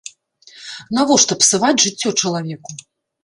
Навошта псаваць жыццё чалавеку?